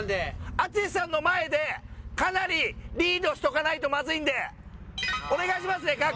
淳さんの前でかなりリードしとかないとまずいんでお願いしますねかー